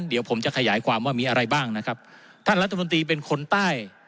เดี๋ยวผมจะขยายความว่ามีอะไรบ้างนะครับท่านรัฐมนตรีเป็นคนใต้